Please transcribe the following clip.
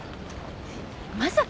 まさか！？